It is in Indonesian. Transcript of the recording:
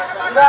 tidak turun pak